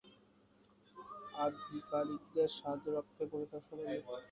আধিকারিকদের সাহায্যের অপেক্ষায় বসে থাকার সময় নেই।